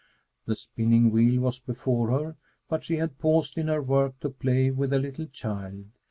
The spinning wheel was before her, but she had paused in her work to play with a little child.